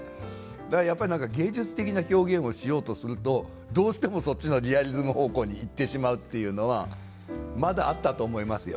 だからやっぱり芸術的な表現をしようとするとどうしてもそっちのリアリズム方向に行ってしまうっていうのはまだあったと思いますよ。